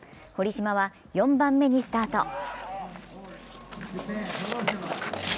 堀島は４番目にスタート。